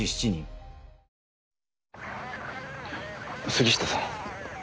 杉下さん。